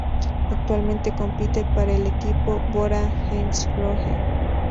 Actualmente compite para el equipo Bora-Hansgrohe.